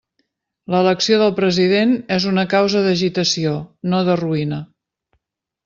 L'elecció del president és una causa d'agitació, no de ruïna.